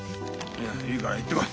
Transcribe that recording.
いやいいから行ってこい。